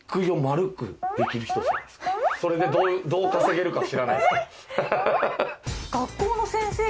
それでどう稼げるか知らないですけどハハハ。